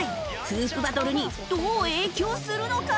フープバトルにどう影響するのか！？